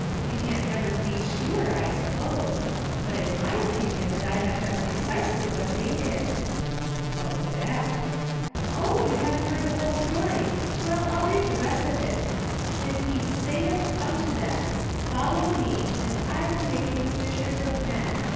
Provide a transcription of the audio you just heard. You can't never be sure^ I suppose. But 68 • Houaehold Puzzles, it's my opinion that I'd have done precisely what they did." *' What was that?" *' Oh, you haven't heard the whole story. Well, I'll read the rest of it. 'And he saith unto them: ''Follow me, and I will make you fishers of men.